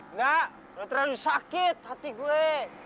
enggak lo terlalu sakit hati gue